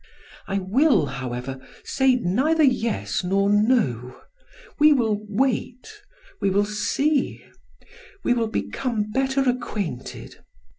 I will, however, say neither yes nor no. We will wait, we will see; we will become better acquainted.